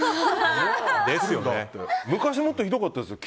昔もっとひどかったですよ。